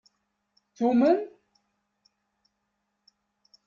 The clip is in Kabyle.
Tumen?